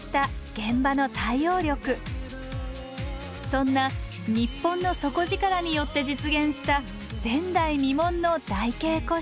そんなニッポンの底力によって実現した前代未聞の台形個室。